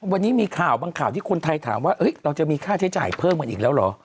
วันนี้มีข่าวบางข่าวที่คนไทยถามว่าเราจะมีค่าใช้จ่ายเพิ่มกันอีกแล้วเหรอ